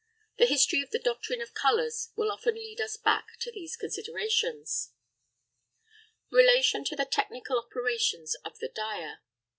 The history of the doctrine of colours will often lead us back to these considerations. RELATION TO THE TECHNICAL OPERATIONS OF THE DYER.